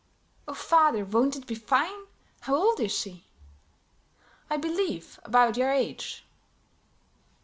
"Oh, father, won't it be fine! How old is she?" "I believe about your age."